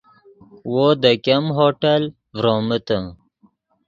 وو دے ګیم ہوٹل ڤرومیتے